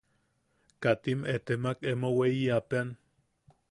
Katim etemak emo weiyapeʼean.